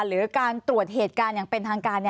หรือการตรวจเหตุการณ์อย่างเป็นทางการ